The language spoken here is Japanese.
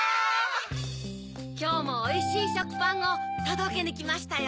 きょうもおいしいしょくパンをとどけにきましたよ。